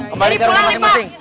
jadi pulang nih pak